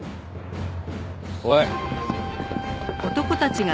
おい！